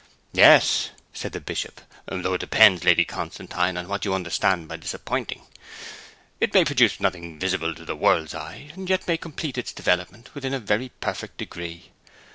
'Yes,' said the Bishop. 'Though it depends, Lady Constantine, on what you understand by disappointing. It may produce nothing visible to the world's eye, and yet may complete its development within to a very perfect degree.